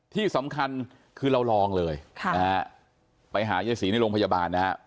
ที่สำคัญคือเราลองเลยไปหายายศรีในโรงพยาบาลนะฮะ